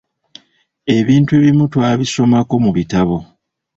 Ebintu ebimu twabisomako mu bitabo.